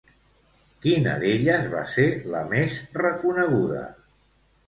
Quina d'elles va ser la més reconeguda?